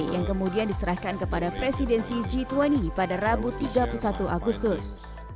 yang kemudian diserahkan kepada presidensi g dua puluh pada rabu tiga puluh satu agustus